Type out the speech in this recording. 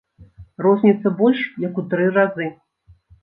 Розніца больш як у тры разы.